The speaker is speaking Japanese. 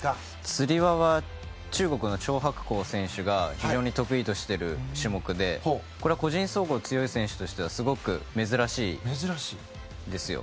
つり輪は中国のチョウ・ハクコウが非常に得意としている種目でこれは個人総合強い選手としてはすごく珍しいんですよ。